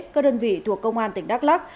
các đơn vị thuộc công an tỉnh đắk lắc